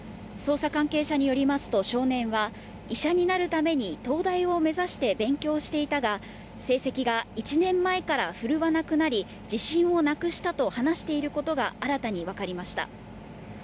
捜査関係者によりますと、少年は、医者になるために東大を目指して勉強していたが、成績が１年前から振るわなくなり、自信をなくしたと話していることが新たに分かりました。